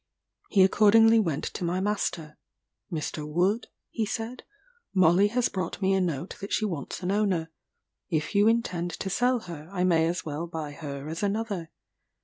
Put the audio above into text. He accordingly went to my master: "Mr. Wood," he said, "Molly has brought me a note that she wants an owner. If you intend to sell her, I may as well buy her as another."